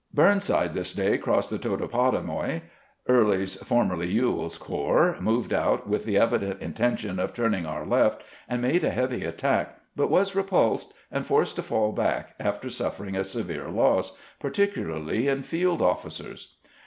Burnside this day crossed the Totopotomoy. Early's (formerly E well's) corps moved out with the evident intention of turning our left, and made a heavy attack, but was repulsed, and forced to fall back, after suffering a severe loss, partic ularly in field of&cers.